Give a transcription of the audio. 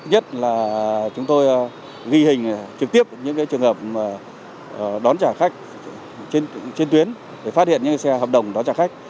nhất là chúng tôi ghi hình trực tiếp những trường hợp đón trả khách trên tuyến để phát hiện những xe hợp đồng đón trả khách